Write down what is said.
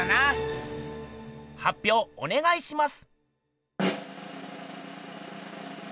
はっぴょうおねがいします。